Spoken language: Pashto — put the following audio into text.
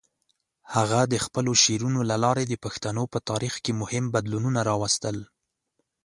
هغه د خپلو شعرونو له لارې د پښتنو په تاریخ کې مهم بدلونونه راوستل.